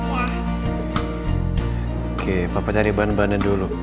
oke papa cari bahan bahannya dulu